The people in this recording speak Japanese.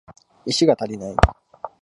石が足りない